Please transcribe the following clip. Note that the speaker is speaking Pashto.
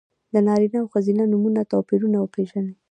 د نارینه او ښځینه نومونو توپیرونه وپېژنئ!